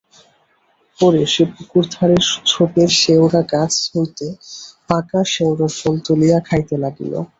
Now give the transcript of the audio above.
পরে সে পুকুরধারের ঝোপের শেওড়া গাছ হইতে পাকা শেওড়ার ফল তুলিয়া খাইতে লাগিল।